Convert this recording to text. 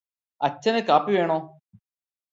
അച്ഛന് കാപ്പി വേണോ?